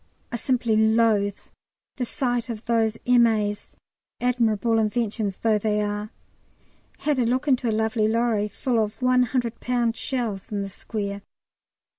I simply loathe the sight of those M.A.'s, admirable inventions though they are. Had a look into a lovely lorry full of 100 lb. shells in the square.